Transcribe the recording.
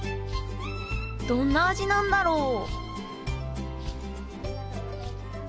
どんな味なんだろう？